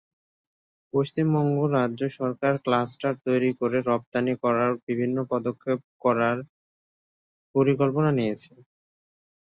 পশ্চিমবঙ্গ রাজ্য সরকার ক্লাস্টার তৈরি-করে রপ্তানি করার বিভিন্ন পদক্ষেপ করার পরিকল্পনা নিয়েছে।